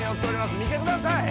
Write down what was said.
見てください。